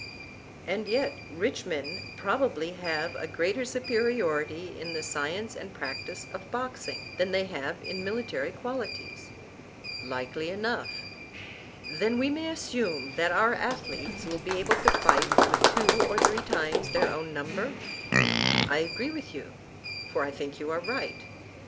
And yet rich men probably have a greater superiority in the science and practise of boxing than they have in military qualities. Likely enough. Then we may assume that our athletes will be able to fight with two or three times their own number? I agree with you, for I think you right.